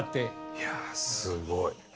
いやすごい。